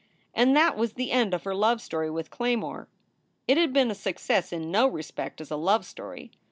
And that was the end of her love story with Claymore. It had been a success in no respect as a love story.